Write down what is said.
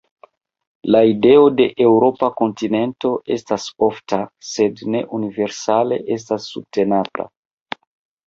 La ideo de eŭropa "kontinento" estas ofta, sed ne universale estas subtenata.